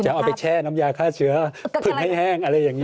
เอาไปแช่น้ำยาฆ่าเชื้อผึ่งให้แห้งอะไรอย่างนี้